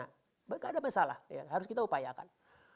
tapi tidak ada masalah ya harus kita upayakan